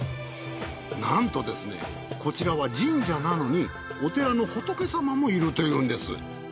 なんとですねこちらは神社なのにお寺の仏様もいるというんです。